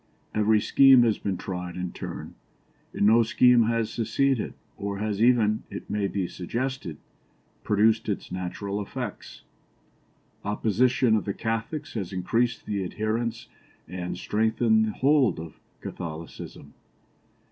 Every scheme has been tried in turn, and no scheme has succeeded or has even, it may be suggested, produced its natural effects. Oppression of the Catholics has increased the adherents and strengthened the hold of Catholicism.